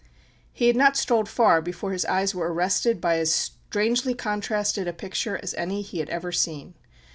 He had not strolled far before his eyes were arrested by as strangely contrasted a picture as any he had ever seen.